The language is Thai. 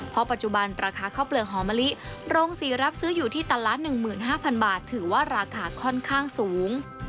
เพราะปัจจุบันราคาข้าวเปลือกหอมะลิโรงศรีรับซื้ออยู่ที่ตันละ๑๕๐๐บาทถือว่าราคาค่อนข้างสูง